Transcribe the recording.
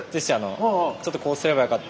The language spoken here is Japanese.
ちょっとこうすればよかった